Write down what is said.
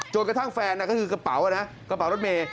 จนกระทั่งแฟนก็คือกระเป๋านะกระเป๋ารถเมย์